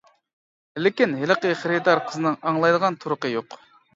لېكىن ھېلىقى خېرىدار قىزنىڭ ئاڭلايدىغان تۇرقى يوق.